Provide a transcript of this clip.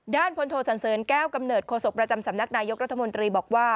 พลโทสันเสริญแก้วกำเนิดโศกประจำสำนักนายกรัฐมนตรีบอกว่า